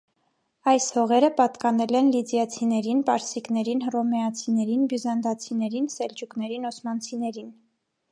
Այս հողերը պատկանել են լիդիացիներին, պարսիկներին, հռոմեացիներին, բյուզանդացիներին, սելջուկներին, օսմանցիներին։